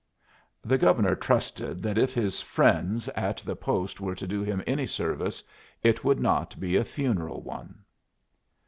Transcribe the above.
The Governor trusted that if his friends at the post were to do him any service it would not be a funeral one.